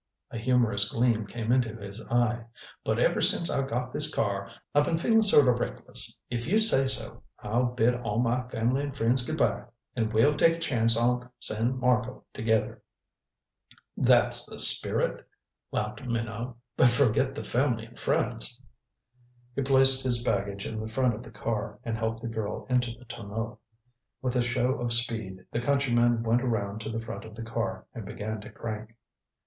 A humorous gleam came into his eye. "But ever since I got this car I been feelin' sort o' reckless. If you say so, I'll bid all my family and friends good by, and we'll take a chance on San Marco together." "That's the spirit," laughed Minot. "But forget the family and friends." He placed his baggage in the front of the car, and helped the girl into the tonneau. With a show of speed, the countryman went around to the front of the car and began to crank.